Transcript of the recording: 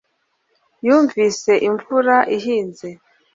yumvise imvura ihinze